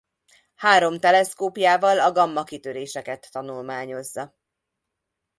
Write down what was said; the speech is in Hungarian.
Három teleszkópjával a gamma-kitöréseket tanulmányozza.